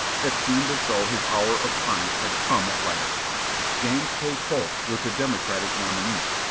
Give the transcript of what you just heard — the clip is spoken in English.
It seemed as though his hour of triumph had come at last. James K. Polk was the Democratic nominee.